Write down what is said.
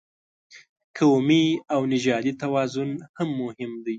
قومي او نژادي توازن هم مهم دی.